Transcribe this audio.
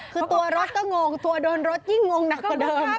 คือตัวรถก็งงตัวโดนรถยิ่งงงหนักกว่าเดิม